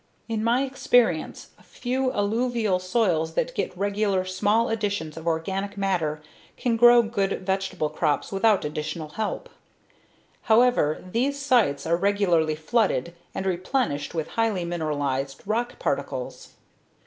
In my experience, a few alluvial soils that get regular, small additions of organic matter can grow good vegetable crops without additional help. However, these sites are regularly flooded and replenished with highly mineralized rock particles.